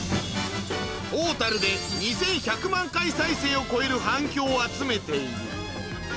トータルで２１００万回再生を超える反響を集めているハハハ！